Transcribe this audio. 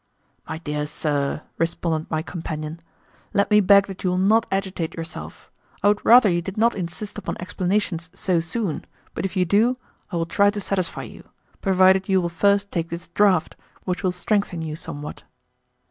"My dear sir," responded my companion, "let me beg that you will not agitate yourself. I would rather you did not insist upon explanations so soon, but if you do, I will try to satisfy you, provided you will first take this draught, which will strengthen you somewhat."